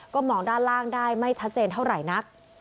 ก็มองด้านล่างได้ไม่ชัดเจนเท่าไหร่นัก